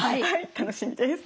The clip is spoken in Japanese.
楽しみです。